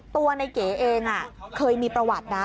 ตัวในเก๋เองเคยมีประวัตินะ